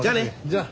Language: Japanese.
じゃあ。